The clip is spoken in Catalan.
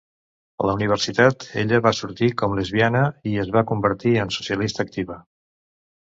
A la universitat ella va sortir com lesbiana i es va convertir en socialista activa.